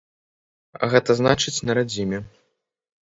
Гэта значыць на радзіме.